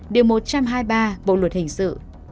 điều một trăm hai mươi ba bộ luật hình sự